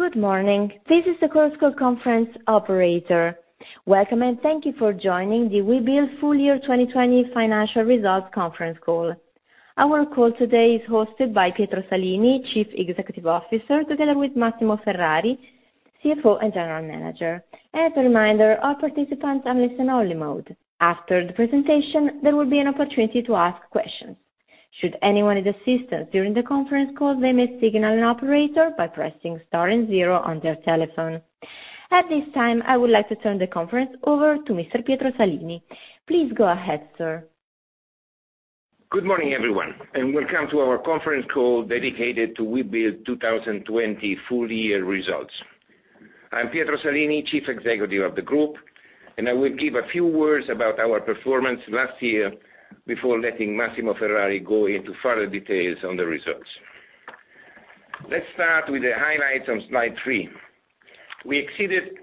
Good morning. This is the Chorus Call conference operator. Welcome, and thank you for joining the Webuild full year 2020 financial results conference call. Our call today is hosted by Pietro Salini, Chief Executive Officer, together with Massimo Ferrari, CFO, and General Manager. As a reminder, all participants are in listen-only mode. After the presentation, there will be an opportunity to ask questions. Should anyone need assistance during the conference call, they may signal an operator by pressing star and zero on their telephone. At this time, I would like to turn the conference over to Mr. Pietro Salini. Please go ahead, sir. Good morning, everyone, welcome to our conference call dedicated to Webuild 2020 full year results. I'm Pietro Salini, Chief Executive of the group, I will give a few words about our performance last year before letting Massimo Ferrari go into further details on the results. Let's start with the highlights on Slide 3. We exceeded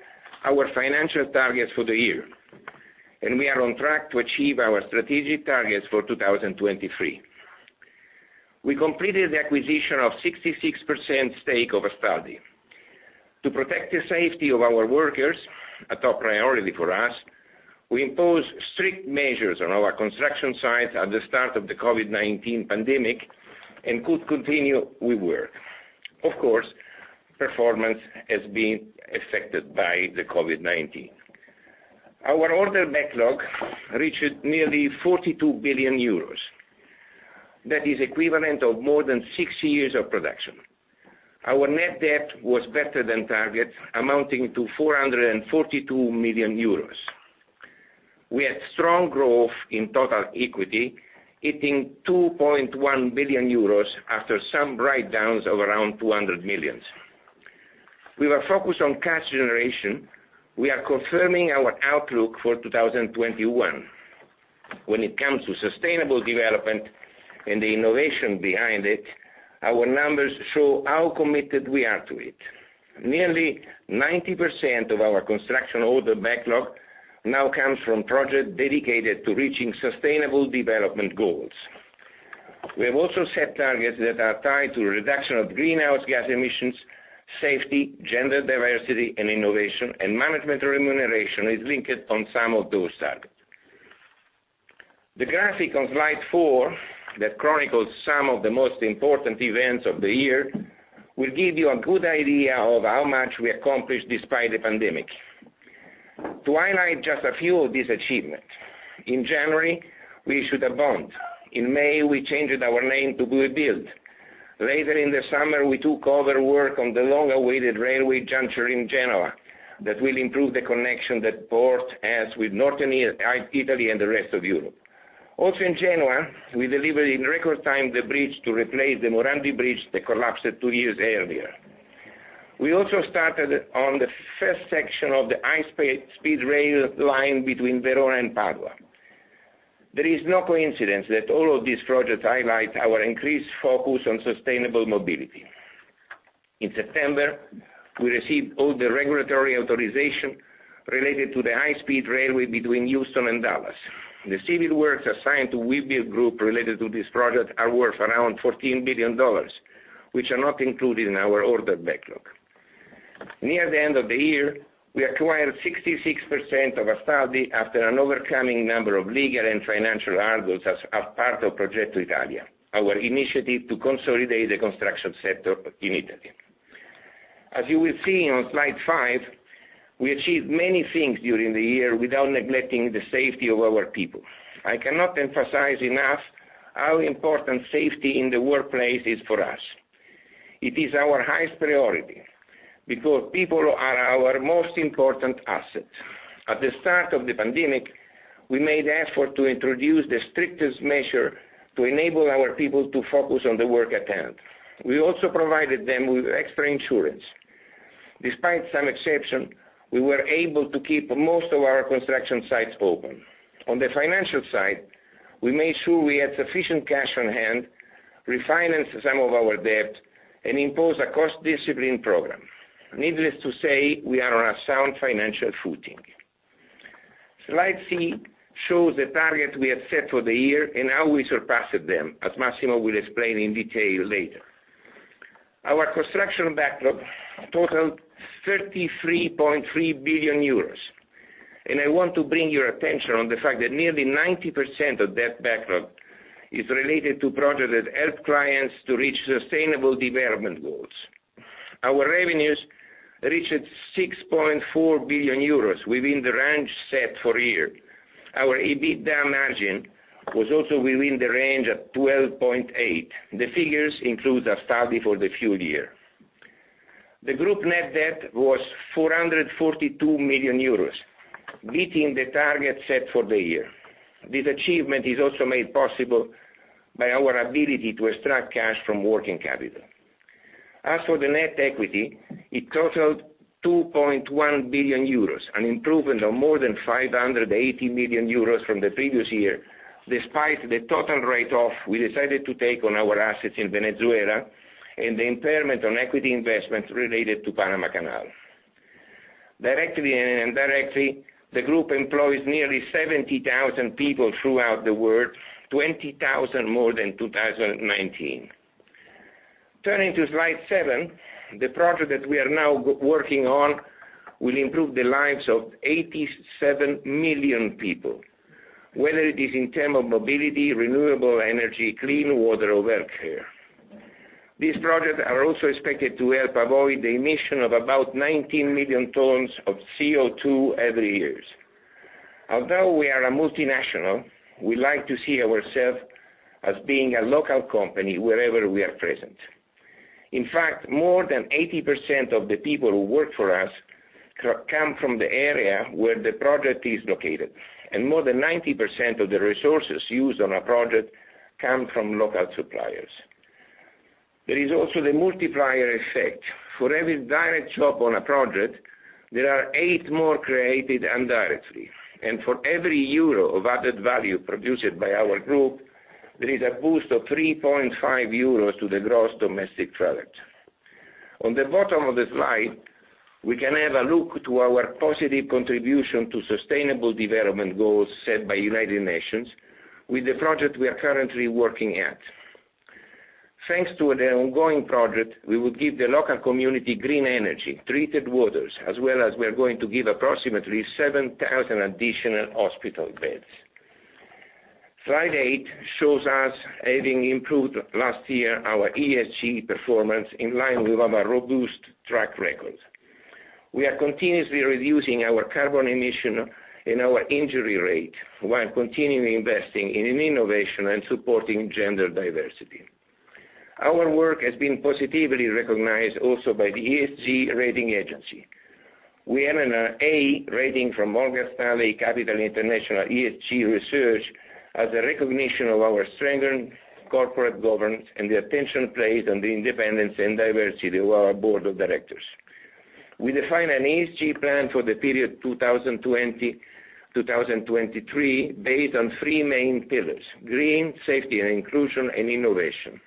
our financial targets for the year, we are on track to achieve our strategic targets for 2023. We completed the acquisition of 66% stake of Astaldi. To protect the safety of our workers, a top priority for us, we imposed strict measures on our construction sites at the start of the COVID-19 pandemic could continue with work. Of course, performance has been affected by the COVID-19. Our order backlog reached nearly 42 billion euros. That is equivalent of more than six years of production. Our net debt was better than target, amounting to 442 million euros. We had strong growth in total equity, hitting 2.1 billion euros after some write-downs of around 200 million. With a focus on cash generation, we are confirming our outlook for 2021. When it comes to sustainable development and the innovation behind it, our numbers show how committed we are to it. Nearly 90% of our construction order backlog now comes from projects dedicated to reaching sustainable development goals. We have also set targets that are tied to reduction of greenhouse gas emissions, safety, gender diversity, and innovation, and management remuneration is linked on some of those targets. The graphic on Slide 4, that chronicles some of the most important events of the year, will give you a good idea of how much we accomplished despite the pandemic. To highlight just a few of these achievements, in January, we issued a bond. In May, we changed our name to Webuild. Later in the summer, we took over work on the long-awaited railway juncture in Genoa, that will improve the connection that port has with northern Italy and the rest of Europe. Also, in Genoa, we delivered in record time the bridge to replace the Morandi Bridge that collapsed two years earlier. We also started on the first section of the high-speed rail line between Verona and Padua. There is no coincidence that all of these projects highlight our increased focus on sustainable mobility. In September, we received all the regulatory authorization related to the high-speed railway between Houston and Dallas. The civil works assigned to Webuild Group related to this project are worth around EUR 14 billion, which are not included in our order backlog. Near the end of the year, we acquired 66% of Astaldi after overcoming a number of legal and financial hurdles as part of Progetto Italia, our initiative to consolidate the construction sector in Italy. As you will see on Slide 5, we achieved many things during the year without neglecting the safety of our people. I cannot emphasize enough how important safety in the workplace is for us. It is our highest priority because people are our most important asset. At the start of the pandemic, we made effort to introduce the strictest measure to enable our people to focus on the work at hand. We also provided them with extra insurance. Despite some exceptions, we were able to keep most of our construction sites open. On the financial side, we made sure we had sufficient cash on hand, refinanced some of our debt, and imposed a cost discipline program. Needless to say, we are on a sound financial footing. Slide 6 shows the targets we have set for the year and how we surpassed them, as Massimo will explain in detail later. Our construction backlog totaled 33.3 billion euros. I want to bring your attention on the fact that nearly 90% of that backlog is related to projects that help clients to reach sustainable development goals. Our revenues reached 6.4 billion euros within the range set for the year. Our EBITDA margin was also within the range at 12.8%. The figures include Astaldi for the full year. The group net debt was 442 million euros, beating the target set for the year. This achievement is also made possible by our ability to extract cash from working capital. As for the net equity, it totaled 2.1 billion euros, an improvement of more than 580 million euros from the previous year, despite the total write-off we decided to take on our assets in Venezuela and the impairment on equity investments related to Panama Canal. Directly and indirectly, the group employs nearly 70,000 people throughout the world, 20,000 more than 2019. Turning to Slide 7, the project that we are now working on will improve the lives of 87 million people, whether it is in term of mobility, renewable energy, clean water, or healthcare. These projects are also expected to help avoid the emission of about 19 million tons of CO2 every years. Although we are a multinational, we like to see ourself as being a local company wherever we are present. In fact, more than 80% of the people who work for us come from the area where the project is located, and more than 90% of the resources used on a project come from local suppliers. There is also the multiplier effect. For every direct job on a project, there are eight more created indirectly, and for every euro of added value produced by our group, there is a boost of €3.5 to the gross domestic product. On the bottom of the slide, we can have a look at our positive contribution to sustainable development goals set by United Nations with the project we are currently working at. Thanks to the ongoing project, we will give the local community green energy, treated waters, as well as we are going to give approximately 7,000 additional hospital beds. Slide 8 shows us having improved last year our ESG performance in line with our robust track record. We are continuously reducing our carbon emission and our injury rate while continuing investing in innovation and supporting gender diversity. Our work has been positively recognized also by the ESG rating agency. We earn an A rating from Morgan Stanley Capital International ESG Research as a recognition of our strengthened corporate governance and the attention placed on the independence and diversity of our board of directors. We define an ESG plan for the period 2020, 2023 based on three main pillars: green, safety and inclusion, and innovation.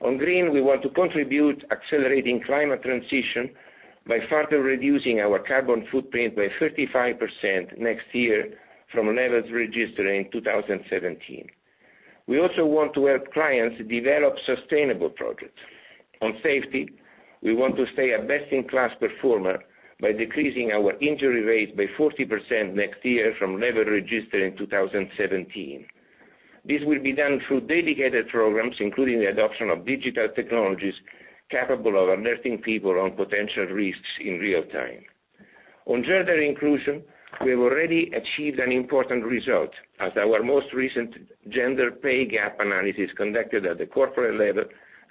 On green, we want to contribute accelerating climate transition by further reducing our carbon footprint by 35% next year from levels registered in 2017. We also want to help clients develop sustainable projects. On safety, we want to stay a best-in-class performer by decreasing our injury rate by 40% next year from level registered in 2017. This will be done through dedicated programs, including the adoption of digital technologies capable of alerting people on potential risks in real time. On gender inclusion, we have already achieved an important result, as our most recent gender pay gap analysis conducted at the corporate level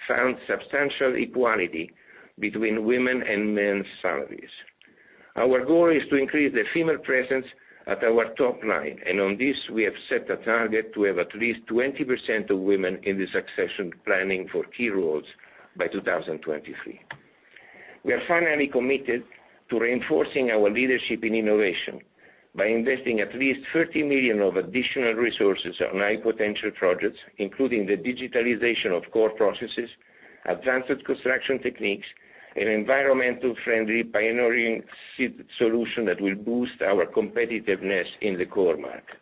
found substantial equality between women and men's salaries. Our goal is to increase the female presence at our top line, and on this, we have set a target to have at least 20% of women in the succession planning for key roles by 2023. We are finally committed to reinforcing our leadership in innovation by investing at least 30 million of additional resources on high potential projects, including the digitalization of core processes, advanced construction techniques, and environmentally friendly pioneering solution that will boost our competitiveness in the core market.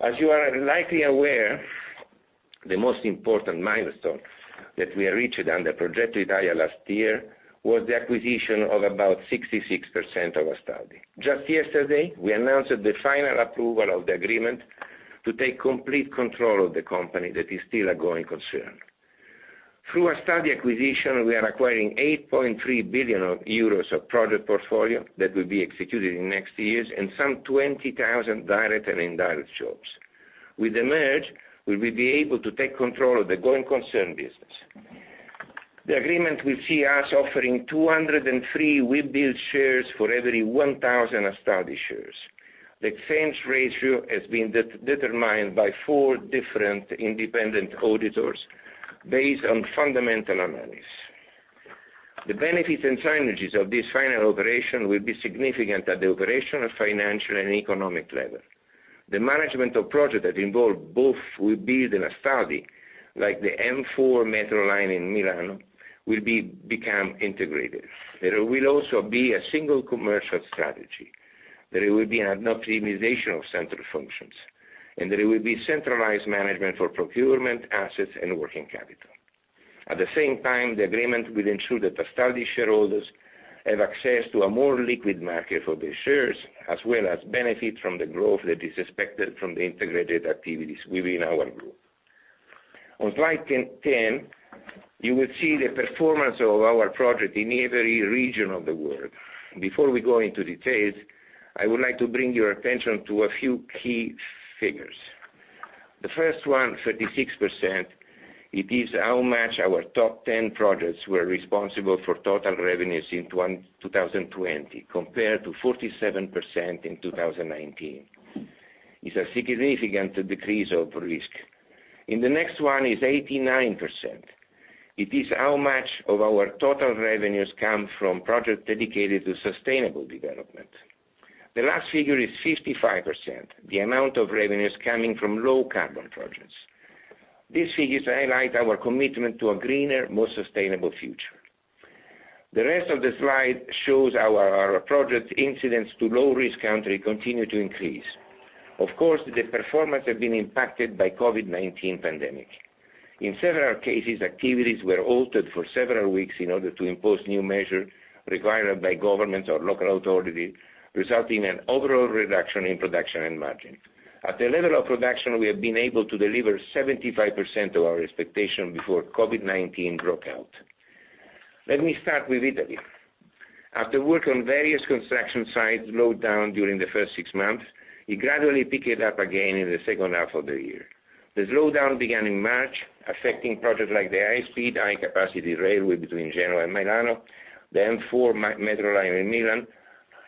As you are likely aware, the most important milestone that we reached under Progetto Italia last year was the acquisition of about 66% of Astaldi. Just yesterday, we announced the final approval of the agreement to take complete control of the company that is still a going concern. Through Astaldi acquisition, we are acquiring 8.3 billion euros of project portfolio that will be executed in next years and some 20,000 direct and indirect jobs. With the merge, we will be able to take control of the going concern business. The agreement will see us offering 203 Webuild shares for every 1,000 Astaldi shares. The exchange ratio has been determined by four different independent auditors based on fundamental analysis. The benefits and synergies of this final operation will be significant at the operational, financial, and economic level. The management of project that involve both Webuild and Astaldi, like the M4 metro line in Milan, will become integrated. There will also be a single commercial strategy. There will be an optimization of central functions, and there will be centralized management for procurement, assets, and working capital. At the same time, the agreement will ensure that Astaldi shareholders have access to a more liquid market for their shares, as well as benefit from the growth that is expected from the integrated activities within our group. On Slide 10, you will see the performance of our project in every region of the world. Before we go into details, I would like to bring your attention to a few key figures. The first one, 36%, it is how much our top 10 projects were responsible for total revenues in 2020 compared to 47% in 2019. It's a significant decrease of risk. The next one is 89%. It is how much of our total revenues come from project dedicated to sustainable development. The last figure is 55%, the amount of revenues coming from low carbon projects. These figures highlight our commitment to a greener, more sustainable future. The rest of the slide shows our project incidence to low risk country continue to increase. Of course, the performance has been impacted by COVID-19 pandemic. In several cases, activities were altered for several weeks in order to impose new measures required by governments or local authorities, resulting in overall reduction in production and margin. At the level of production, we have been able to deliver 75% of our expectation before COVID-19 broke out. Let me start with Italy. After work on various construction sites slowed down during the first six months, it gradually picked up again in the second half of the year. The slowdown began in March, affecting projects like the high-speed, high-capacity railway between Genoa and Milan, the M4 metro line in Milan,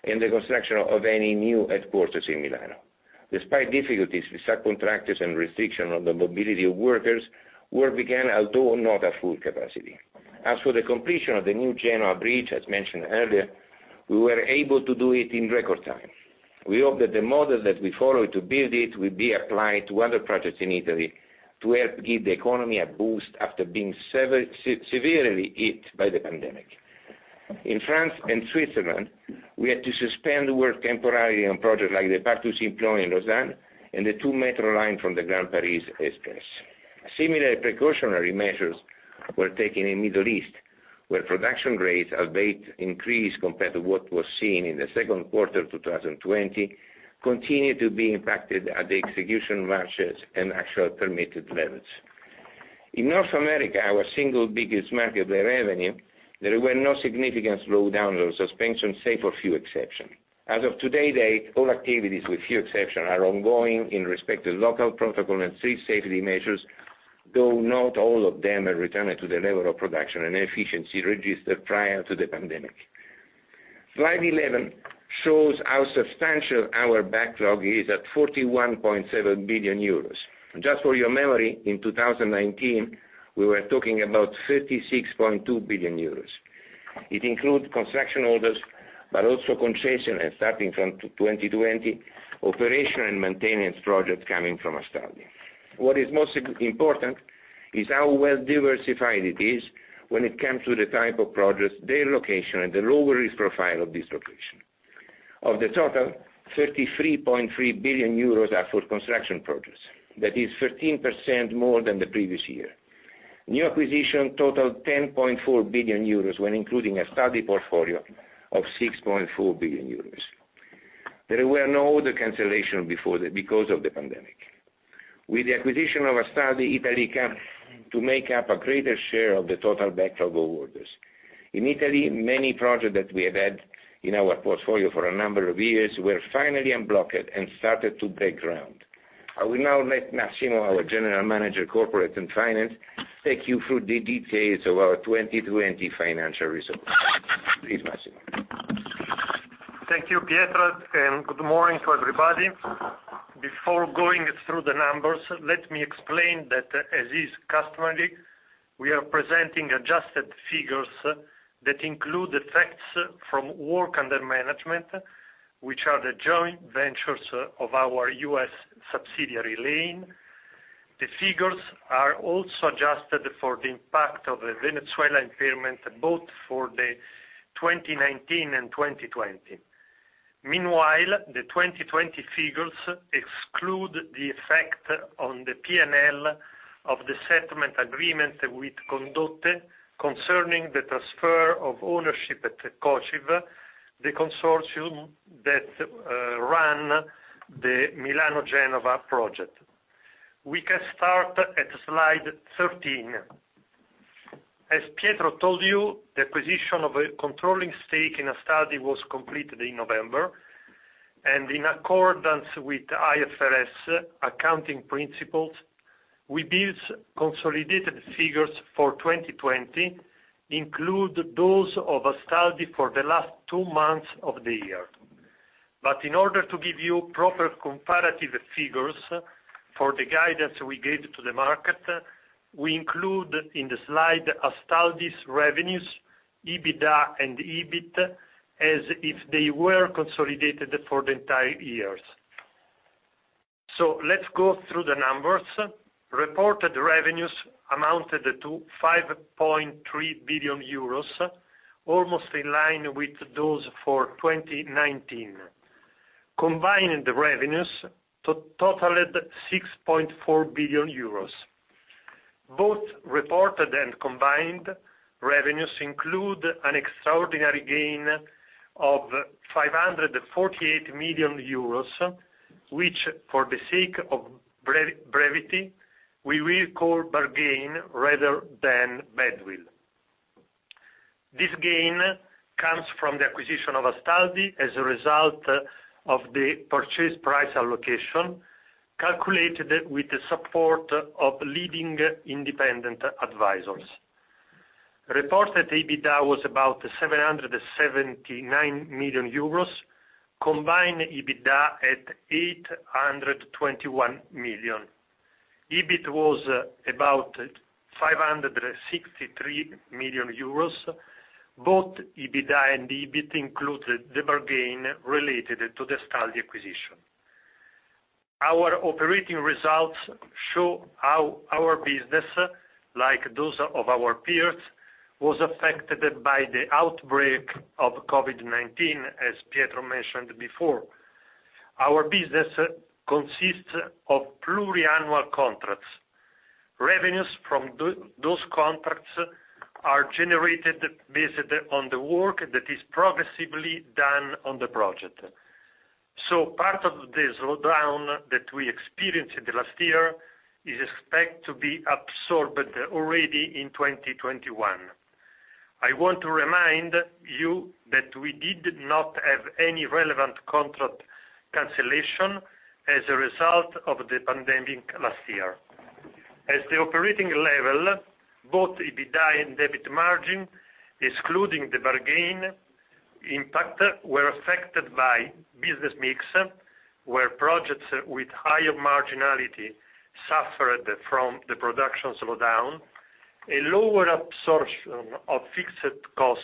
and the construction of ENI new headquarters in Milan. Despite difficulties with subcontractors and restriction on the mobility of workers, work began, although not at full capacity. As for the completion of the new Genoa bridge, as mentioned earlier, we were able to do it in record time. We hope that the model that we follow to build it will be applied to other projects in Italy to help give the economy a boost after being severely hit by the pandemic. In France and Switzerland, we had to suspend work temporarily on projects like the Parc du Simplon in Lausanne and the two metro line from the Grand Paris Express. Similar precautionary measures were taken in Middle East, where production rates, albeit increased compared to what was seen in Q2 2020, continued to be impacted at the execution rates and actual permitted levels. In North America, our single biggest market by revenue, there were no significant slowdown or suspension, save for few exceptions. As of today date, all activities, with few exceptions, are ongoing in respect to local protocol and safety measures, though not all of them have returned to the level of production and efficiency registered prior to the pandemic. Slide 11 shows how substantial our backlog is at 41.7 billion euros. Just for your memory, in 2019, we were talking about 36.2 billion euros. It includes construction orders, but also concession, and starting from 2020, operation and maintenance projects coming from Astaldi. What is most important is how well diversified it is when it comes to the type of projects, their location, and the lower risk profile of these locations. Of the total, 33.3 billion euros are for construction projects. That is 13% more than the previous year. New acquisition totaled 10.4 billion euros, when including Astaldi portfolio of 6.4 billion euros. There were no order cancellation because of the pandemic. With the acquisition of Astaldi, Italy came to make up a greater share of the total backlog of orders. In Italy, many projects that we have had in our portfolio for a number of years were finally unblocked and started to break ground. I will now let Massimo, our General Manager Corporate and Finance, take you through the details of our 2020 financial results. Please, Massimo. Thank you, Pietro, and good morning to everybody. Before going through the numbers, let me explain that, as is customary, we are presenting adjusted figures that include effects from work under management, which are the joint ventures of our U.S. subsidiary, Lane. The figures are also adjusted for the impact of the Venezuela impairment, both for 2019 and 2020. Meanwhile, the 2020 figures exclude the effect on the P&L of the settlement agreement with Condotte concerning the transfer of ownership at COCIV, the consortium that run the Genoa-Milan project. We can start at Slide 13. As Pietro told you, the acquisition of a controlling stake in Astaldi was completed in November, and in accordance with IFRS accounting principles, Webuild consolidated figures for 2020 include those of Astaldi for the last two months of the year. In order to give you proper comparative figures for the guidance we gave to the market, we include in the slide Astaldi's revenues, EBITDA, and EBIT, as if they were consolidated for the entire years. Let's go through the numbers. Reported revenues amounted to 5.3 billion euros, almost in line with those for 2019. Combined revenues totaled 6.4 billion euros. Both reported and combined revenues include an extraordinary gain of 548 million euros, which, for the sake of brevity, we will call bargain rather than goodwill. This gain comes from the acquisition of Astaldi as a result of the purchase price allocation, calculated with the support of leading independent advisors. Reported EBITDA was about 779 million euros, combined EBITDA at 821 million. EBIT was about 563 million euros. Both EBITDA and the EBIT included the bargain related to the Astaldi acquisition. Our operating results show how our business, like those of our peers, was affected by the outbreak of COVID-19, as Pietro mentioned before. Our business consists of pluriannual contracts. Revenues from those contracts are generated based on the work that is progressively done on the project. Part of the slowdown that we experienced last year is expected to be absorbed already in 2021. I want to remind you that we did not have any relevant contract cancellation as a result of the pandemic last year. At the operating level, both EBITDA and EBIT margin, excluding the bargain impact, were affected by business mix, where projects with higher marginality suffered from the production slowdown, a lower absorption of fixed cost,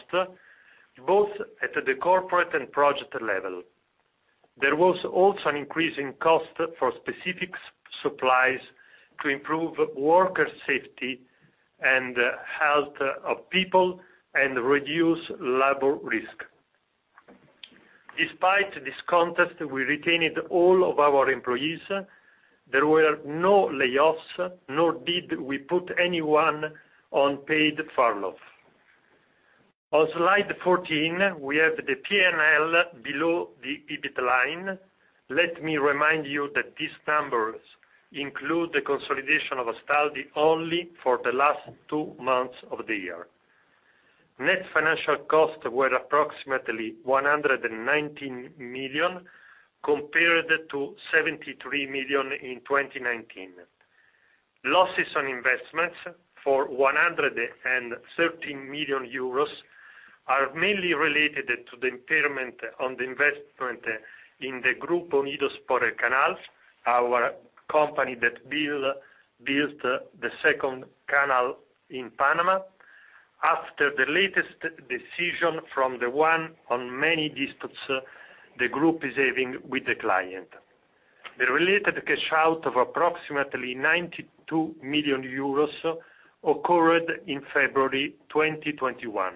both at the corporate and project level. There was also an increase in cost for specific supplies to improve worker safety and health of people and reduce labor risk. Despite this context, we retained all of our employees. There were no layoffs, nor did we put anyone on paid furlough. On Slide 14, we have the P&L below the EBIT line. Let me remind you that these numbers include the consolidation of Astaldi only for the last two months of the year. Net financial costs were approximately 119 million, compared to 73 million in 2019. Losses on investments for 113 million euros are mainly related to the impairment on the investment in the Grupo Unidos por el Canal, our company that built the second canal in Panama, after the latest decision from one of many disputes the group is having with the client. The related cash out of approximately 92 million euros occurred in February 2021.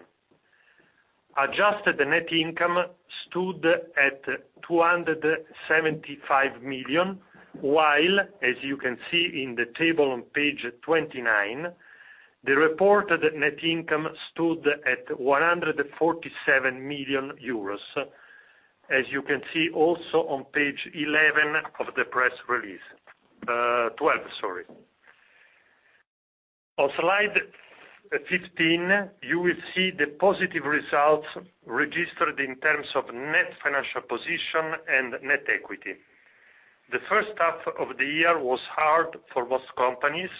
Adjusted net income stood at 275 million, while as you can see in the table on page 29, the reported net income stood at 147 million euros, as you can see also on page 11 of the press release. 12, sorry. On Slide 15, you will see the positive results registered in terms of net financial position and net equity. The first half of the year was hard for most companies.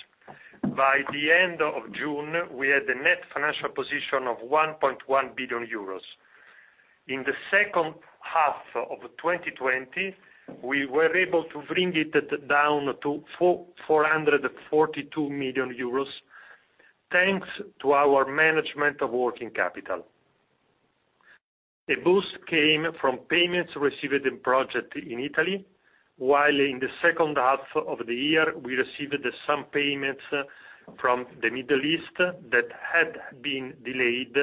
By the end of June, we had a net financial position of 1.1 billion euros. In the second half of 2020, we were able to bring it down to 442 million euros, thanks to our management of working capital. A boost came from payments received in project in Italy, while in the second half of the year, we received some payments from the Middle East that had been delayed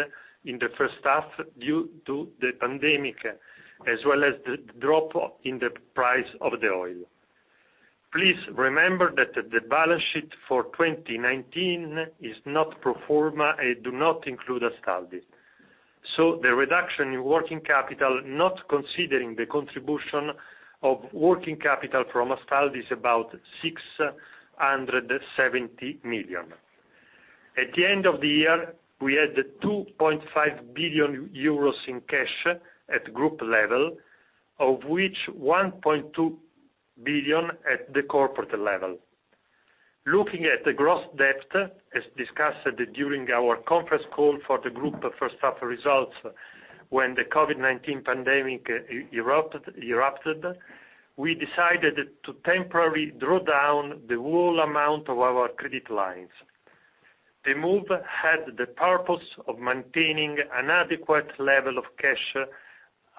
in the first half due to the pandemic, as well as the drop in the price of the oil. Please remember that the balance sheet for 2019 do not include Astaldi. The reduction in working capital, not considering the contribution of working capital from Astaldi, is about 670 million. At the end of the year, we had 2.5 billion euros in cash at group level, of which 1.2 billion at the corporate level. Looking at the gross debt, as discussed during our conference call for the group first half results when the COVID-19 pandemic erupted, we decided to temporarily draw down the whole amount of our credit lines. The move had the purpose of maintaining an adequate level of cash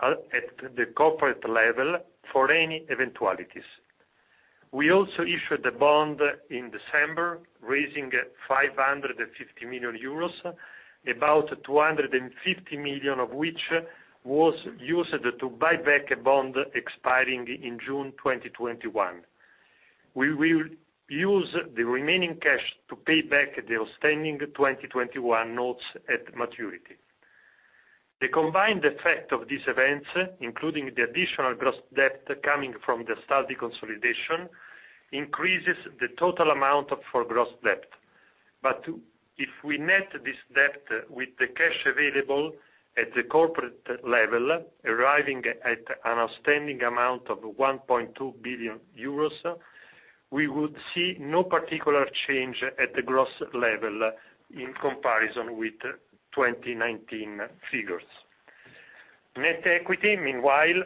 at the corporate level for any eventualities. We also issued a bond in December, raising 550 million euros, about 250 million of which was used to buy back a bond expiring in June 2021. We will use the remaining cash to pay back the outstanding 2021 notes at maturity. The combined effect of these events, including the additional gross debt coming from the Astaldi consolidation, increases the total amount for gross debt. If we net this debt with the cash available at the corporate level, arriving at an outstanding amount of 1.2 billion euros, we would see no particular change at the gross level in comparison with 2019 figures. Net equity, meanwhile,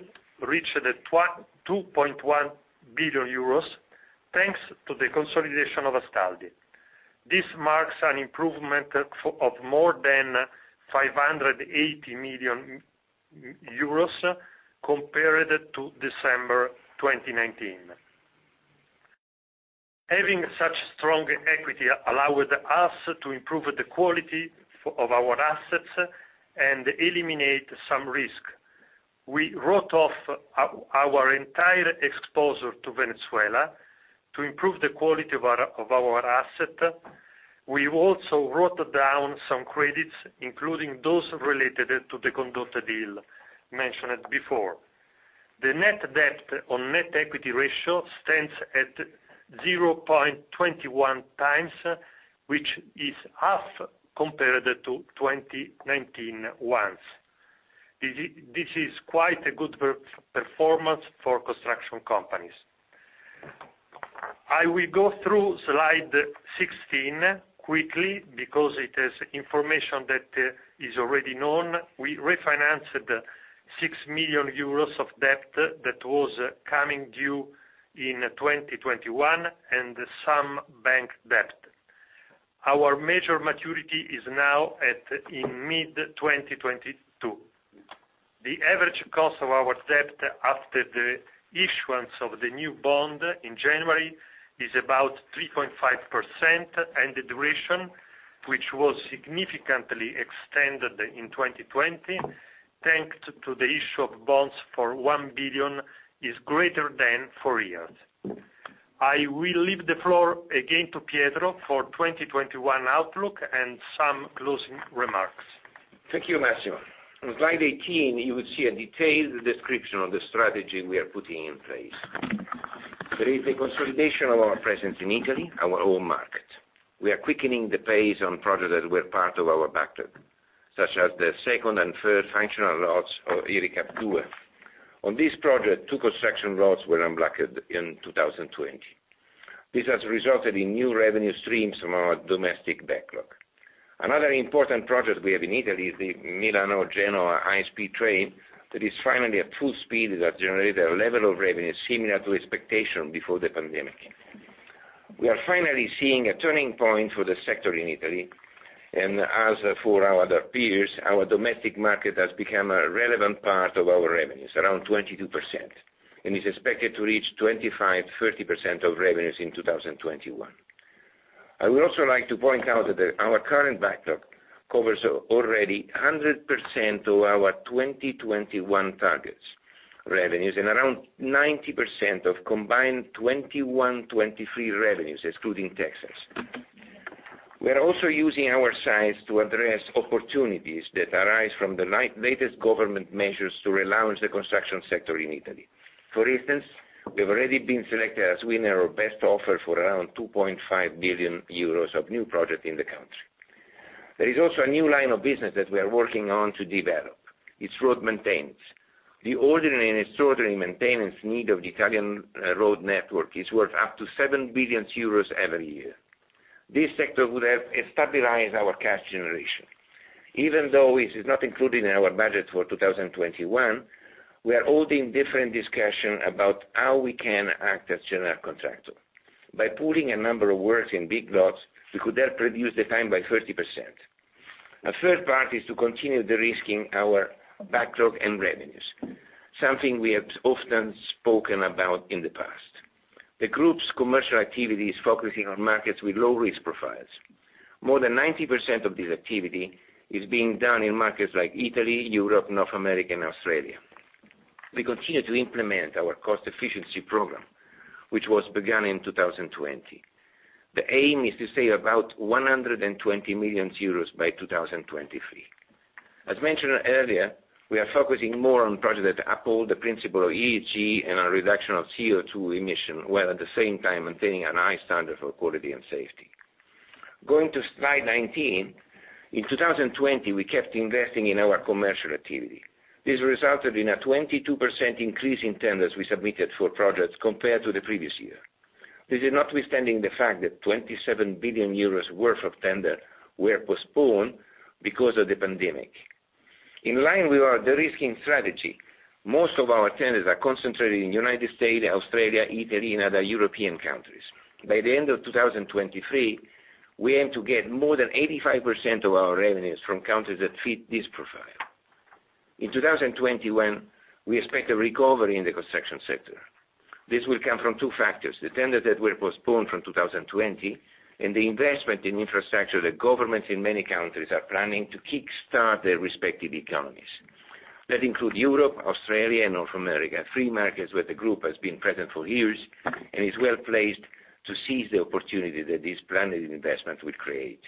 reached 2.1 billion euros thanks to the consolidation of Astaldi. This marks an improvement of more than 580 million euros compared to December 2019. Having such strong equity allowed us to improve the quality of our assets and eliminate some risk. We wrote off our entire exposure to Venezuela to improve the quality of our asset. We also wrote down some credits, including those related to the Condotte deal mentioned before. The net debt on net equity ratio stands at 0.21 times, which is half compared to 2019 once. This is quite a good performance for construction companies. I will go through Slide 16 quickly because it is information that is already known. We refinanced 6 million euros of debt that was coming due in 2021 and some bank debt. Our major maturity is now in mid-2022. The average cost of our debt after the issuance of the new bond in January is about 3.5%, and the duration, which was significantly extended in 2020, thanks to the issue of bonds for 1 billion, is greater than four years. I will leave the floor again to Pietro for 2021 outlook and some closing remarks. Thank you, Massimo. On Slide 18, you will see a detailed description of the strategy we are putting in place. There is a consolidation of our presence in Italy, our home market. We are quickening the pace on projects that were part of our backlog, such as the second and third functional routes of IRICAV 2. On this project, two construction routes were unblocked in 2020. This has resulted in new revenue streams from our domestic backlog. Another important project we have in Italy is the Milan or Genoa high-speed train that is finally at full speed and has generated a level of revenue similar to expectation before the pandemic. We are finally seeing a turning point for the sector in Italy, and as for our other peers, our domestic market has become a relevant part of our revenues, around 22%, and is expected to reach 25%-30% of revenues in 2021. I would also like to point out that our current backlog covers already 100% of our 2021 targets revenues and around 90% of combined 2021, 2023 revenues, excluding taxes. We are also using our size to address opportunities that arise from the latest government measures to relaunch the construction sector in Italy. For instance, we have already been selected as winner of best offer for around 2.5 billion euros of new projects in the country. There is also a new line of business that we are working on to develop. It's road maintenance. The ordinary and extraordinary maintenance need of the Italian road network is worth up to 7 billion euros every year. This sector would have stabilized our cash generation. Even though it is not included in our budget for 2021, we are holding different discussion about how we can act as general contractor. By pooling a number of works in big lots, we could help reduce the time by 30%. A third part is to continue de-risking our backlog and revenues, something we have often spoken about in the past. The group's commercial activity is focusing on markets with low risk profiles. More than 90% of this activity is being done in markets like Italy, Europe, North America, and Australia. We continue to implement our cost efficiency program, which was begun in 2020. The aim is to save about 120 million euros by 2023. As mentioned earlier, we are focusing more on projects that uphold the principle of ESG and a reduction of CO2 emission, while at the same time maintaining a high standard for quality and safety. Going to Slide 19. In 2020, we kept investing in our commercial activity. This resulted in a 22% increase in tenders we submitted for projects compared to the previous year. This is notwithstanding the fact that 27 billion euros worth of tender were postponed because of the pandemic. In line with our de-risking strategy, most of our tenders are concentrated in the U.S., Australia, Italy, and other European countries. By the end of 2023, we aim to get more than 85% of our revenues from countries that fit this profile. In 2021, we expect a recovery in the construction sector. This will come from two factors, the tenders that were postponed from 2020 and the investment in infrastructure that governments in many countries are planning to kickstart their respective economies. That include Europe, Australia, and North America, free markets where the group has been present for years and is well-placed to seize the opportunity that this planned investment will create.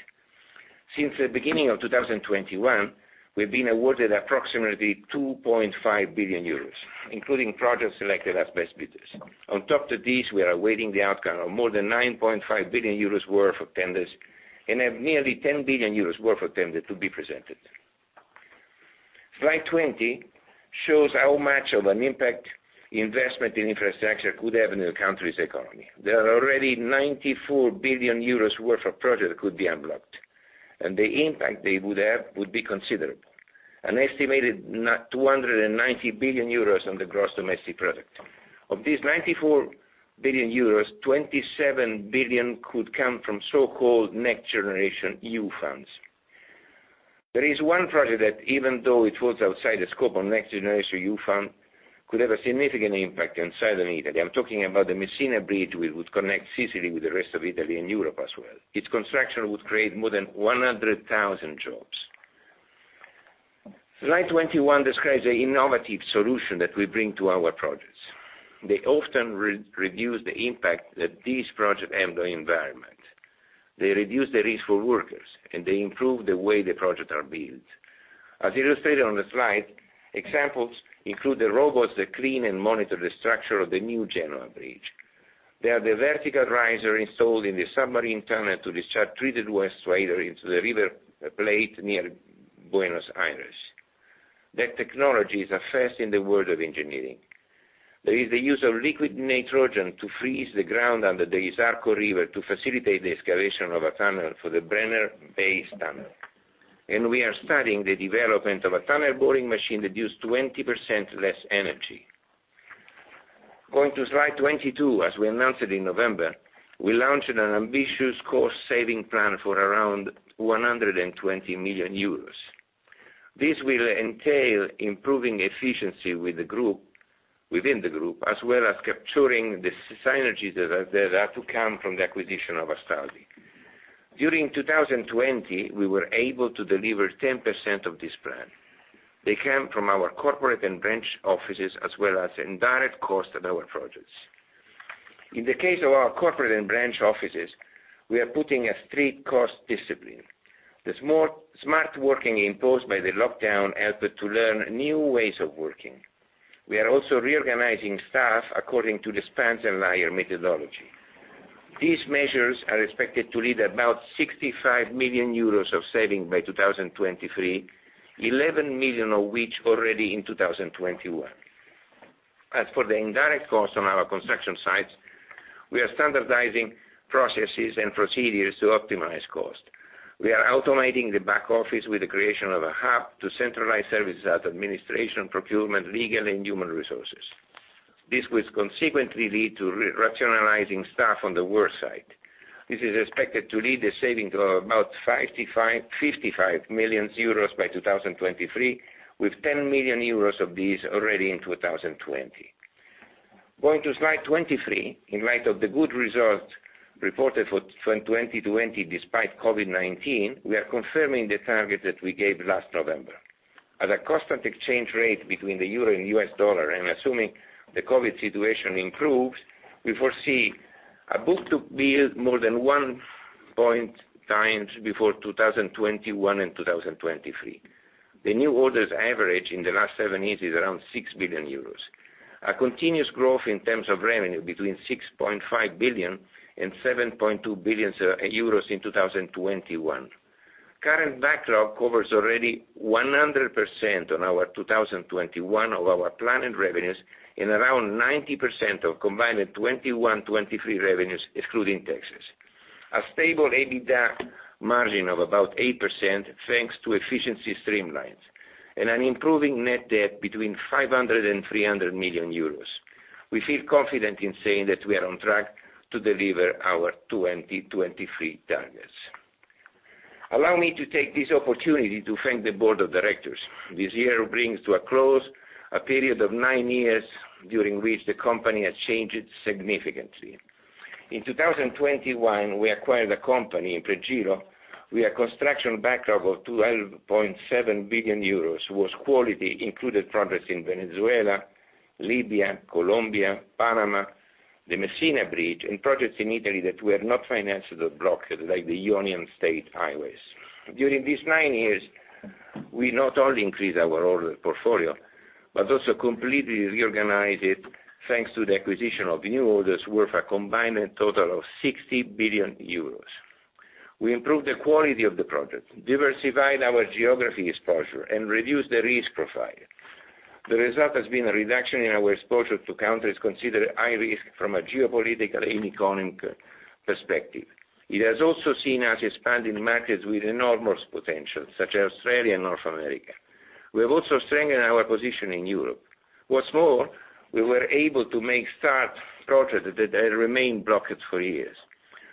Since the beginning of 2021, we've been awarded approximately 2.5 billion euros, including projects selected as best bidders. On top of this, we are awaiting the outcome of more than 9.5 billion euros worth of tenders and have nearly 10 billion euros worth of tenders to be presented. Slide 20 shows how much of an impact investment in infrastructure could have in a country's economy. There are already 94 billion euros worth of projects that could be unblocked. The impact they would have would be considerable. An estimated 290 billion euros on the gross domestic product. Of this 94 billion euros, 27 billion could come from so-called NextGenerationEU funds. There is one project that even though it was outside the scope of NextGenerationEU fund, could have a significant impact inside on Italy. I'm talking about the Messina Bridge, which would connect Sicily with the rest of Italy and Europe as well. Its construction would create more than 100,000 jobs. Slide 21 describes the innovative solution that we bring to our projects. They often reduce the impact that these projects have on the environment. They reduce the risk for workers, and they improve the way the projects are built. As illustrated on the slide, examples include the robots that clean and monitor the structure of the new Genoa bridge. They are the vertical riser installed in the submarine tunnel to discharge treated wastewater into the River Plate near Buenos Aires. That technology is a first in the world of engineering. There is the use of liquid nitrogen to freeze the ground under the Isarco River to facilitate the excavation of a tunnel for the Brenner Base Tunnel. We are studying the development of a tunnel boring machine that uses 20% less energy. Going to Slide 22, as we announced it in November, we launched an ambitious cost-saving plan for around 120 million euros. This will entail improving efficiency within the group, as well as capturing the synergies that are to come from the acquisition of Astaldi. During 2020, we were able to deliver 10% of this plan. They came from our corporate and branch offices, as well as indirect costs of our projects. In the case of our corporate and branch offices, we are putting a strict cost discipline. The smart working imposed by the lockdown helped to learn new ways of working. We are also reorganizing staff according to the spans and layers methodology. These measures are expected to lead about 65 million euros of savings by 2023, 11 million of which already in 2021. As for the indirect costs on our construction sites, we are standardizing processes and procedures to optimize cost. We are automating the back office with the creation of a hub to centralize services at administration, procurement, legal, and human resources. This will consequently lead to rationalizing staff on the work site. This is expected to lead a saving of about 55 million euros by 2023, with 10 million euros of this already in 2020. Going to Slide 23. In light of the good results reported for 2020 despite COVID-19, we are confirming the target that we gave last November. At a constant exchange rate between the euro and US dollar, and assuming the COVID situation improves, we foresee a book-to-bill more than 1.0 times before 2021 and 2023. The new orders average in the last 7 years is around 6 billion euros. A continuous growth in terms of revenue between 6.5 billion and 7.2 billion euros in 2021. Current backlog covers already 100% on our 2021 of our planned revenues and around 90% of combined 2021/2023 revenues excluding taxes. A stable EBITDA margin of about 8% thanks to efficiency streamlines, and an improving net debt between 500 million euros and 300 million euros. We feel confident in saying that we are on track to deliver our 2023 targets. Allow me to take this opportunity to thank the board of directors. This year brings to a close a period of nine years during which the company has changed significantly. In 2021, we acquired a company Impregilo, with a construction backlog of 12.7 billion euros, whose quality included projects in Venezuela, Libya, Colombia, Panama, the Messina Bridge, and projects in Italy that were not financed or blocked, like the Jonica State Highway. During these nine years, we not only increased our order portfolio, but also completely reorganized it thanks to the acquisition of new orders worth a combined total of 60 billion euros. We improved the quality of the projects, diversified our geography exposure, and reduced the risk profile. The result has been a reduction in our exposure to countries considered high risk from a geopolitical and economic perspective. It has also seen us expand in markets with enormous potential, such as Australia and North America. We have also strengthened our position in Europe. What's more, we were able to make start projects that had remained blocked for years.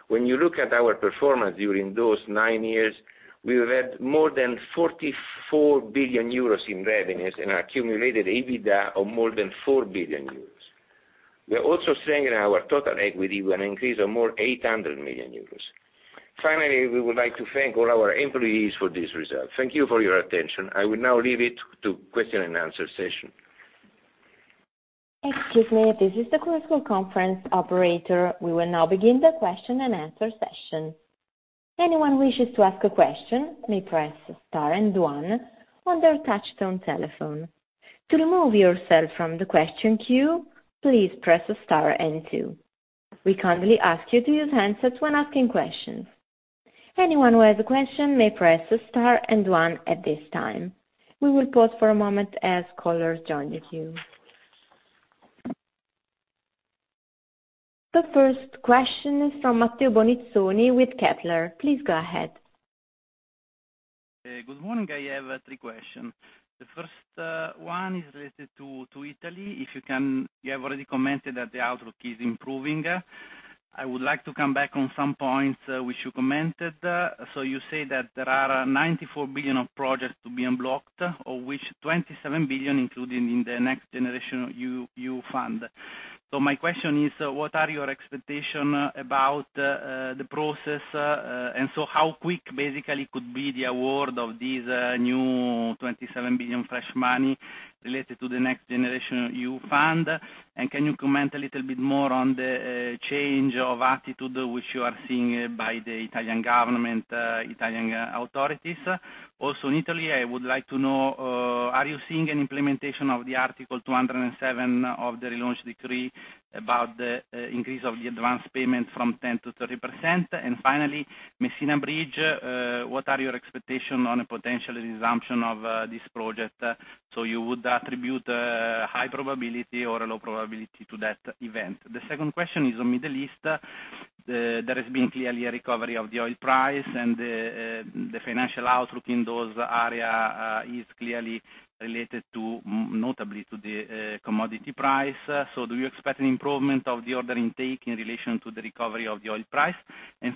When you look at our performance during those nine years, we've had more than 44 billion euros in revenues and accumulated EBITDA of more than 4 billion euros. We are also seeing in our total equity an increase of more than 800 million euros. Finally, we would like to thank all our employees for this result. Thank you for your attention. I will now leave it to question-and-answer session. Thanks Salini. This is the Chorus Call conference operator. We now begin the question-and-answer session. Anyone who wishes to ask a question may press star and one on their touch tone telephone. To remove yourself from the question queue, please press star and two. We kindly ask you to use handset when asking questions. Anyone who has a question may press star and one at this time. We will pause for a moment as callers join the queue. The first question is from Matteo Bonizzoni with Kepler. Please go ahead. Good morning. I have three questions. The first one is related to Italy. You have already commented that the outlook is improving. I would like to come back on some points which you commented. You say that there are 94 billion of projects to be unblocked, of which 27 billion included in the NextGenerationEU fund. My question is, what are your expectation about the process, how quick basically could be the award of this new 27 billion fresh money related to the NextGenerationEU fund? Can you comment a little bit more on the change of attitude which you are seeing by the Italian government, Italian authorities? In Italy, I would like to know, are you seeing an implementation of the Article 207 of the Relaunch Decree about the increase of the advance payment from 10% to 30%? Finally, Messina Bridge, what are your expectation on a potential resumption of this project? You would attribute a high probability or a low probability to that event? The second question is on Middle East. There has been clearly a recovery of the oil price, and the financial outlook in those area is clearly related notably to the commodity price. Do you expect an improvement of the order intake in relation to the recovery of the oil price?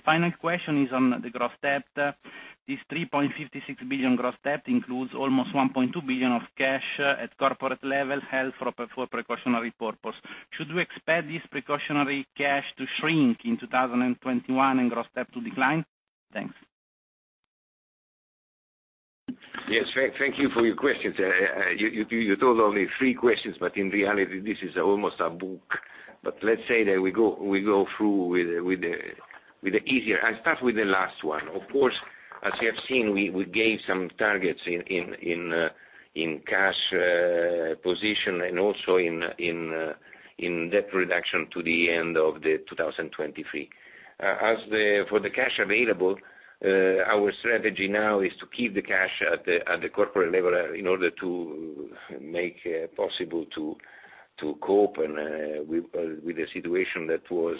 Final question is on the gross debt. This 3.56 billion gross debt includes almost 1.2 billion of cash at corporate level, held for precautionary purpose. Should we expect this precautionary cash to shrink in 2021, and gross debt to decline? Thanks. Yes. Thank you for your questions. You told only three questions, but in reality, this is almost a book. Let's say that we go through with the easier. I start with the last one. Of course, as you have seen, we gave some targets in cash position, and also in debt reduction to the end of 2023. For the cash available, our strategy now is to keep the cash at the corporate level in order to make possible to cope with the situation that was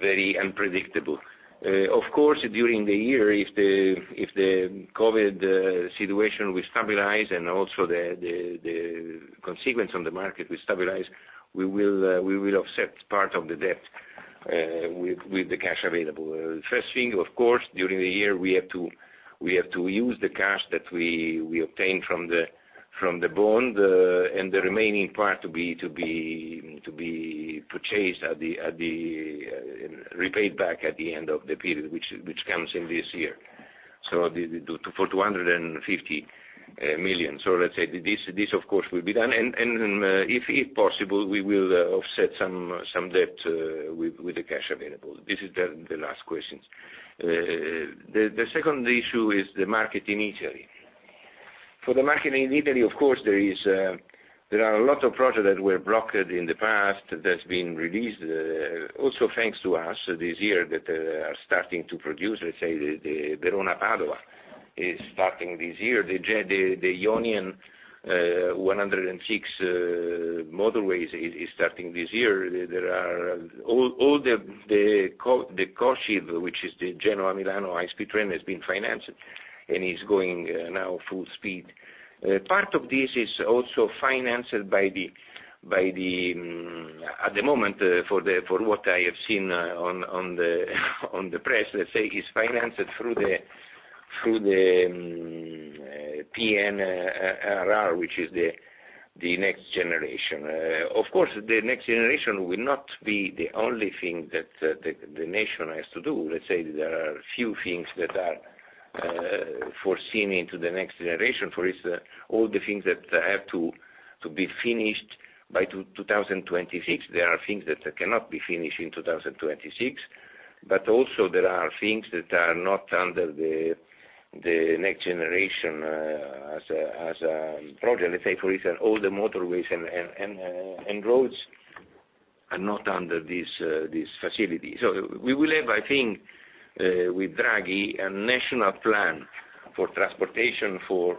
very unpredictable. Of course, during the year, if the COVID situation will stabilize, and also the consequence on the market will stabilize, we will offset part of the debt with the cash available. First thing, of course, during the year, we have to use the cash that we obtained from the bond, and the remaining part to be purchased, repaid back at the end of the period, which comes in this year. For 250 million. Let's say, this of course, will be done, and if possible, we will offset some debt with the cash available. This is the last question. The second issue is the market in Italy. For the market in Italy, of course, there are a lot of projects that were blocked in the past that's been released, also thanks to us this year, that are starting to produce. Let's say, the Verona-Padua is starting this year. The Jonica 106 motorways is starting this year. All the COCIV, which is the Genoa-Milan high-speed train, has been financed and is going now full speed. Part of this is also financed, at the moment, for what I have seen on the press, let's say, is financed through the PNRR, which is the Next Generation. Of course, the Next Generation will not be the only thing that the nation has to do. Let's say there are few things that are foreseen into the Next Generation. For instance, all the things that have to be finished by 2026. There are things that cannot be finished in 2026, but also there are things that are not under the Next Generation as a project. Let's say, for instance, all the motorways and roads are not under this facility. We will have, I think, with Draghi, a national plan for transportation, for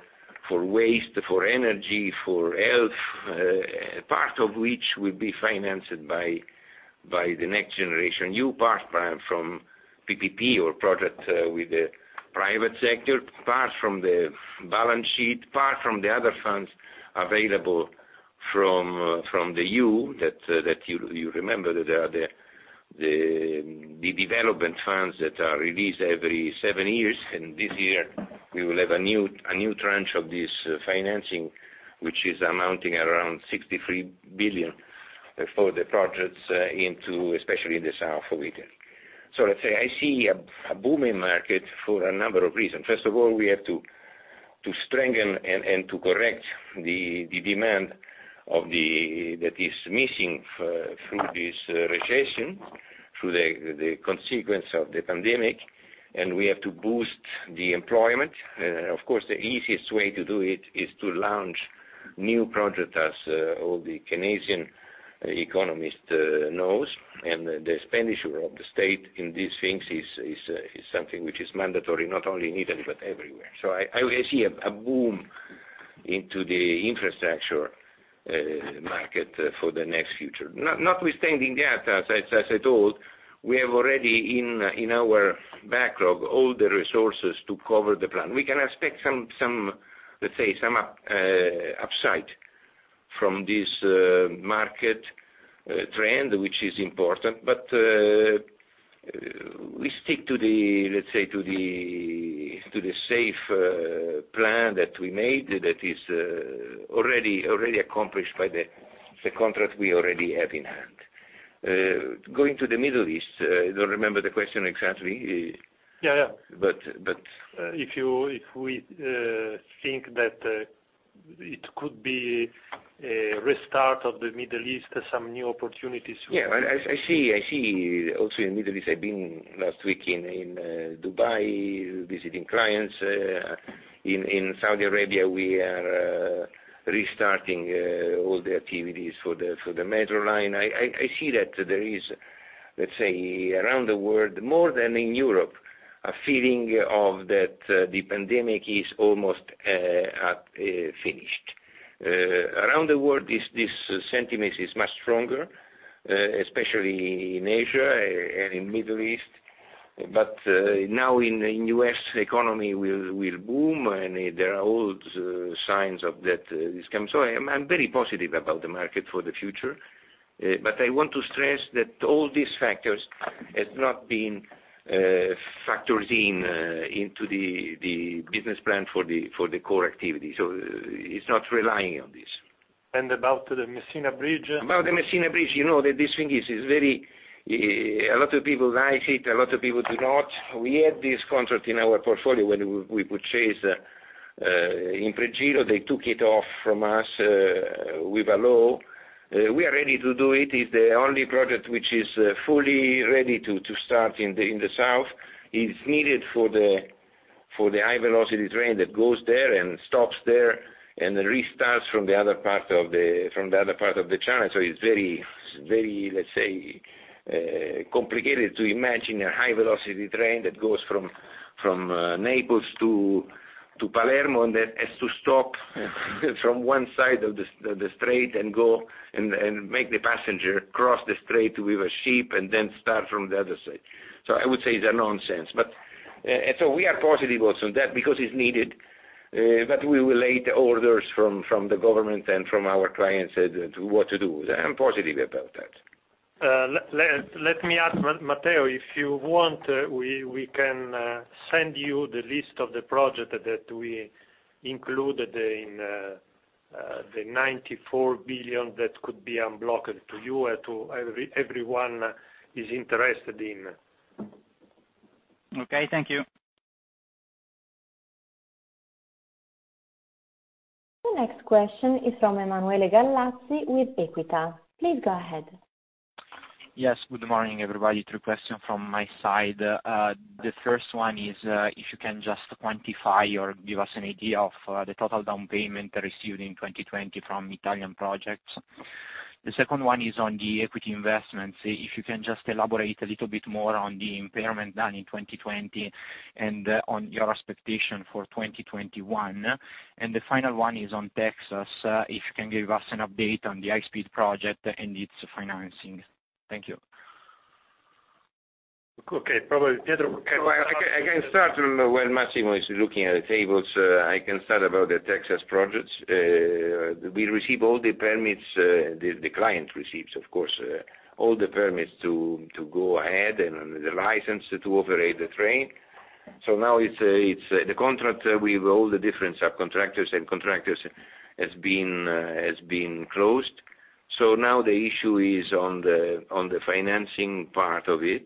waste, for energy, for health, part of which will be financed by the NextGenerationEU, part from PPP or project with the private sector, part from the balance sheet, part from the other funds available from the EU, that you remember, that they are the development funds that are released every seven years. This year, we will have a new tranche of this financing, which is amounting around 63 billion for the projects into, especially the south of Italy. Let's say, I see a booming market for a number of reasons. First of all, we have to strengthen and to correct the demand that is missing from this recession, through the consequence of the pandemic, and we have to boost the employment. Of course, the easiest way to do it is to launch new projects, as all the Keynesian economist knows. The expenditure of the state in these things is something which is mandatory, not only in Italy, but everywhere. I see a boom into the infrastructure market for the next future. Notwithstanding that, as I told, we have already in our backlog all the resources to cover the plan. We can expect some upside from this market trend, which is important, but we stick to the safe plan that we made that is already accomplished by the contract we already have in hand. Going to the Middle East, I don't remember the question exactly. Yes. If we think that it could be a restart of the Middle East, some new opportunities. Yes. I see also in Middle East, I've been last week in Dubai visiting clients. In Saudi Arabia, we are restarting all the activities for the metro line. I see that there is, let's say, around the world, more than in Europe, a feeling of that the pandemic is almost finished. Around the world, this sentiment is much stronger, especially in Asia and in Middle East. Now in U.S., economy will boom, and there are all signs of that this come. I'm very positive about the market for the future. I want to stress that all these factors has not been factored into the business plan for the core activity, so it's not relying on this. About the Messina bridge? About the Messina bridge, you know that this thing is very A lot of people like it, a lot of people do not. We had this contract in our portfolio when we purchased Impregilo, they took it off from us with a law. We are ready to do it. It's the only project which is fully ready to start in the South. It's needed for the high velocity train that goes there and stops there, and then restarts from the other part of the channel. It's very, let's say, complicated to imagine a high velocity train that goes from Naples to Palermo, and that has to stop from one side of the strait and make the passenger cross the strait with a ship, and then start from the other side. I would say it's a nonsense. We are positive also that because it's needed, but we will wait orders from the government and from our clients as to what to do. I am positive about that. Let me ask, Matteo, if you want, we can send you the list of the project that we included in the 94 billion that could be unblocked to you or to everyone is interested in. Okay. Thank you. The next question is from Emanuele Gallazzi with Equita. Please go ahead. Yes, good morning, everybody. Three question from my side. The first one is, if you can just quantify or give us an idea of the total down payment received in 2020 from Italian projects. The second one is on the equity investments. If you can just elaborate a little bit more on the impairment done in 2020 and on your expectation for 2021. The final one is on Texas, if you can give us an update on the high-speed project and its financing. Thank you. Okay. Probably Pietro. I can start while Massimo is looking at the tables. I can start about the Texas projects. We received all the permits, the client receives, of course, all the permits to go ahead and the license to operate the train. Now it's the contract with all the different subcontractors and contractors has been closed. Now the issue is on the financing part of it.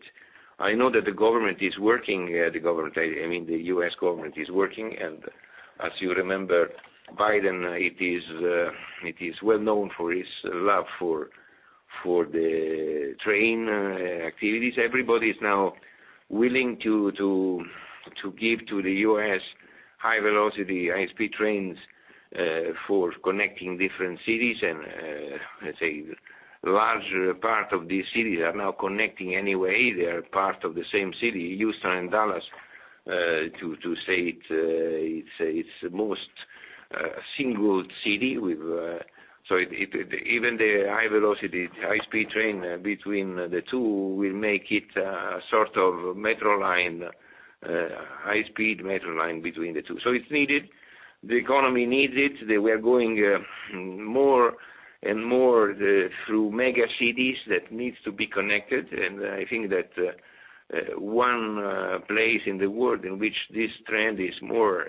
I know that the government is working, the government, I mean, the U.S. government is working, as you remember, Biden, it is well known for his love for the train activities. Everybody is now willing to give to the U.S. high velocity, high-speed trains, for connecting different cities and, let's say, large part of these cities are now connecting anyway. They are part of the same city, Houston and Dallas, to say it's the most single city. Even the high velocity, the high-speed train between the two will make it a sort of high-speed metro line between the two. It's needed. The economy needs it. They were going more and more through mega cities that needs to be connected. I think that one place in the world in which this trend is more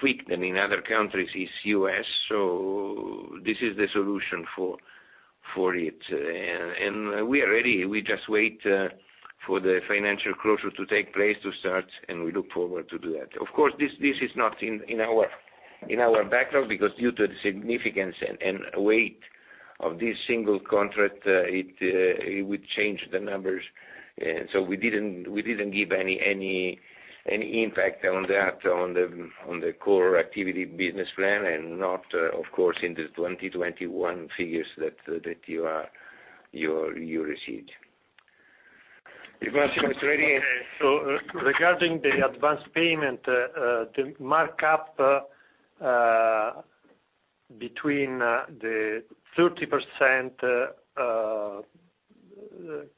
quick than in other countries is U.S. This is the solution for it. We are ready. We just wait for the financial closure to take place to start. We look forward to do that. Of course, this is not in our backlog because due to the significance and weight of this single contract, it would change the numbers. We didn't give any impact on that, on the core activity business plan, and not, of course, in the 2021 figures that you received. Regarding the advanced payment, the markup between the 30%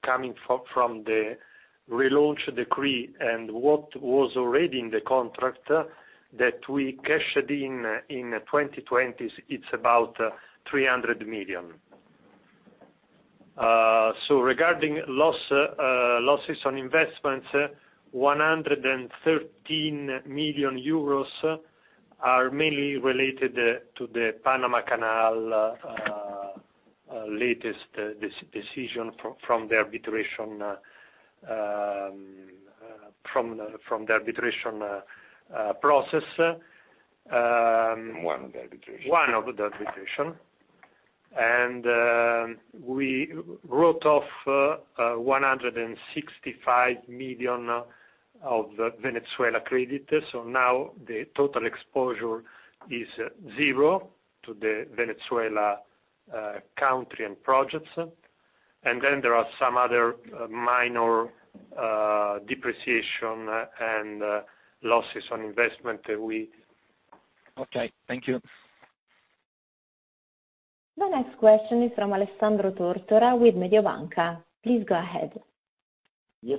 coming from the Relaunch Decree and what was already in the contract that we cashed in 2020, it's about EUR 300 million. Regarding losses on investments, 113 million euros are mainly related to the Panama Canal latest decision from the arbitration process. One of the arbitration. One of the arbitration. We wrote off 165 million of Venezuela credit. Now the total exposure is 0 to the Venezuela country and projects. Then there are some other minor depreciation and losses on investment. Okay. Thank you. The next question is from Alessandro Tortora with Mediobanca. Please go ahead. Yes.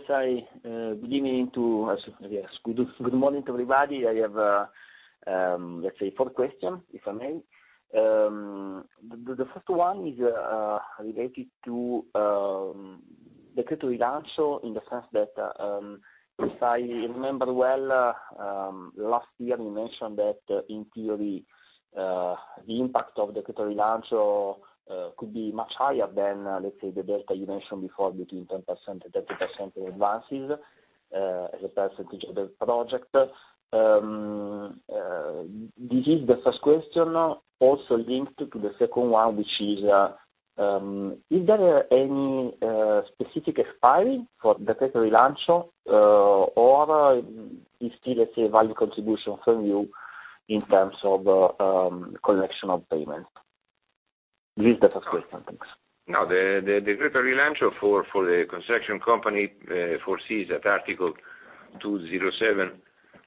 Good morning to everybody. I have, let's say four questions, if I may. The first one is related to Decreto Rilancio in the sense that, if I remember well, last year you mentioned that in theory, the impact of Decreto Rilancio could be much higher than, let's say, the delta you mentioned before between 10% and 30% advances as a percentage of the project. This is the first question, also linked to the second one, which is there any specific expiry for Decreto Rilancio, or is still, let's say, value contribution from you in terms of collection of payment? This is the first question. Thanks. The Decreto Rilancio for the construction company foresees at Article 207,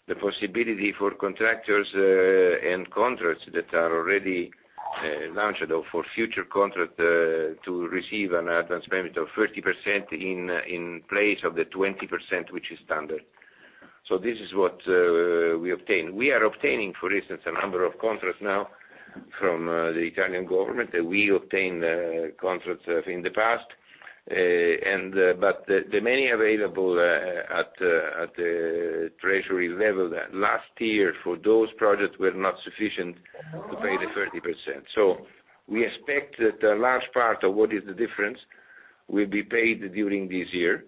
the possibility for contractors and contracts that are already launched or for future contract to receive an advance payment of 30% in place of the 20%, which is standard. This is what we obtain. We are obtaining, for instance, a number of contracts now from the Italian government, and we obtained contracts in the past. The money available at the treasury level last year for those projects were not sufficient to pay the 30%. We expect that a large part of what is the difference will be paid during this year.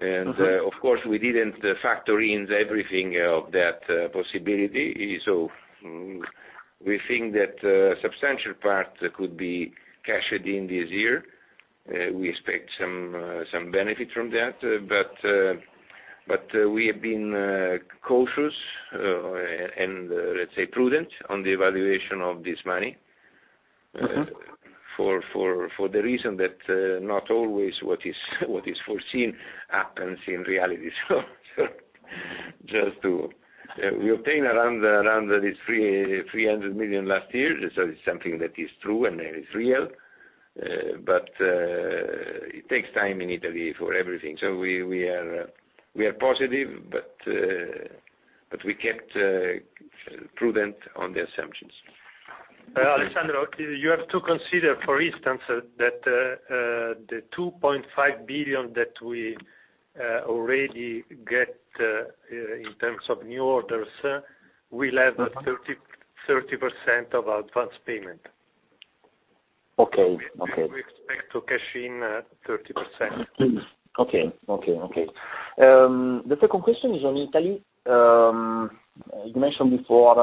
Of course, we didn't factor in everything of that possibility. We think that a substantial part could be cashed in this year. We expect some benefit from that. We have been cautious, and let's say prudent, on the evaluation of this money. For the reason that not always what is foreseen happens in reality. We obtain around this 300 million last year. It's something that is true and is real. It takes time in Italy for everything. We are positive, but we kept prudent on the assumptions. Alessandro, you have to consider, for instance, that the 2.5 billion that we already get in terms of new orders, we'll have 30% of advanced payment. Okay. We expect to cash in 30%. Okay. The second question is on Italy. You mentioned before,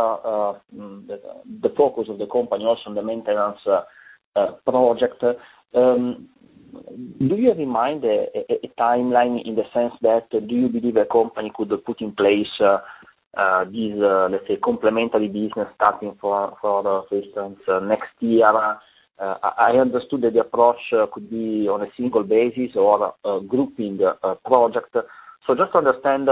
the focus of the company also on the maintenance project. Do you have in mind a timeline in the sense that, do you believe the company could put in place these, let's say, complementary business starting for instance, next year? I understood that the approach could be on a single basis or a grouping project. Just to understand,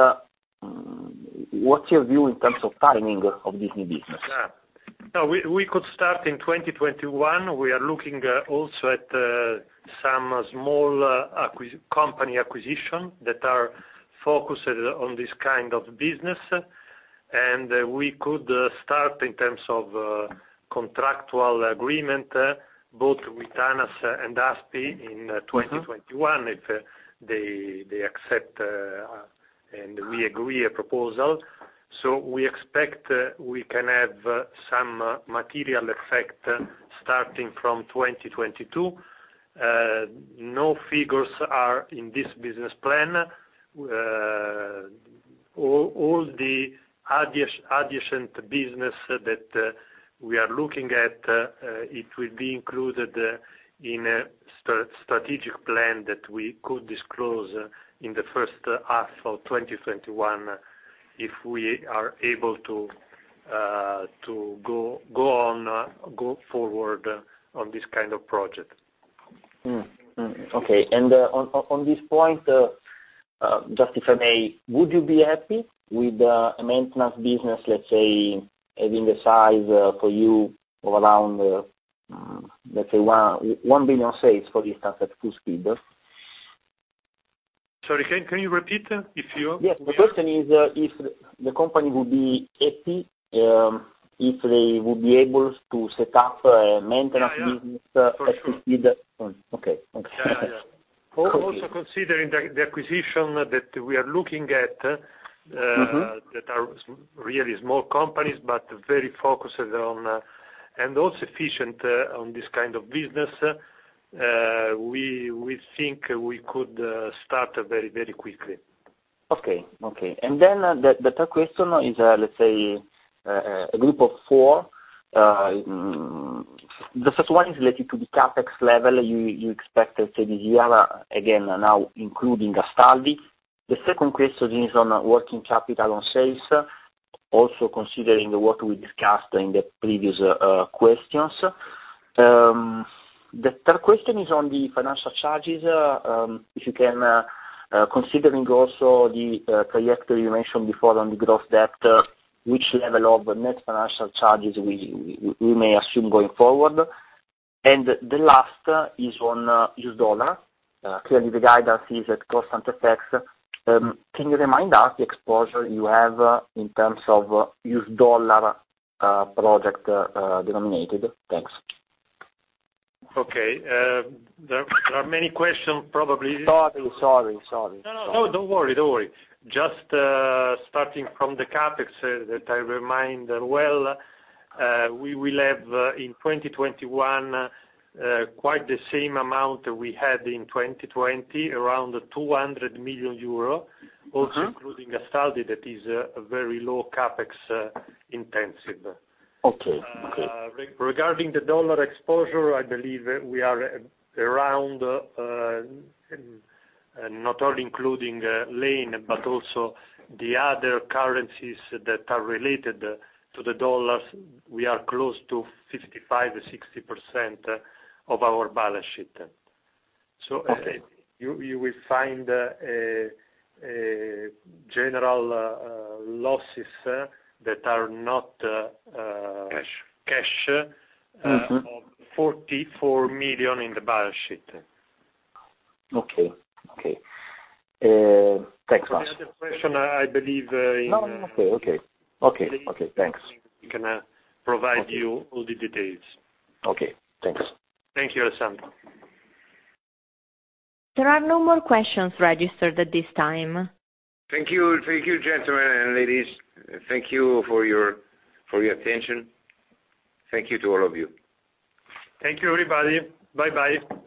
what's your view in terms of timing of this new business? We could start in 2021. We are looking also at some small company acquisition that are focused on this kind of business. We could start in terms of contractual agreement, both with ANAS and ASPI in 2021, if they accept and we agree a proposal. We expect we can have some material effect starting from 2022. No figures are in this business plan. All the adjacent business that we are looking at, it will be included in a strategic plan that we could disclose in the first half of 2021. If we are able to go forward on this kind of project. Okay. On this point, just if I may, would you be happy with a maintenance business, let's say, having the size for you of around, let's say, 1 billion sales, for instance, at full speed? Sorry, can you repeat? Yes. The question is if the company would be happy, if they would be able to set up a maintenance business at full speed. For sure. Okay. Thanks. Also considering the acquisition that we are looking at, that are really small companies, but very focused and also efficient on this kind of business, we think we could start very quickly. Okay. Then the third question is, let's say, a group of four. The first one is related to the CapEx level you expected, say, this year, again, now including Astaldi. The second question is on working capital on sales, also considering the work we discussed in the previous questions. The third question is on the financial charges. If you can, considering also the trajectory you mentioned before on the gross debt, which level of net financial charges we may assume going forward? The last is on U.S. dollar. Clearly, the guidance is at constant FX. Can you remind us the exposure you have in terms of U.S. dollar project denominated? Thanks. Okay. There are many questions, probably. Sorry. No, don't worry. Starting from the CapEx that I remind. Well, we will have, in 2021, quite the same amount we had in 2020, around 200 million euro, also including Astaldi, that is very low CapEx intensive. Okay. Regarding the dollar exposure, I believe we are around, not only including Lane, but also the other currencies that are related to the dollar, we are close to 55%-60% of our balance sheet. Okay. You will find general losses that are not cash of 44 million in the balance sheet. Okay. Thanks, Massimo. For the other question, I believe in. No, I'm okay. Okay. Thanks. We can provide you all the details. Okay. Thanks. Thank you, Alessandro. There are no more questions registered at this time. Thank you, gentlemen and ladies. Thank you for your attention. Thank you to all of you. Thank you, everybody. Bye-bye.